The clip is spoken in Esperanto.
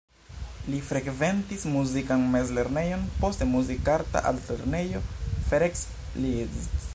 Li frekventis muzikan mezlernejon, poste Muzikarta Altlernejo Ferenc Liszt.